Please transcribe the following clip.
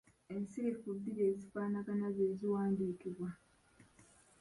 Ensirifu bbiri ezifaanagana ze ziwandiikibwa.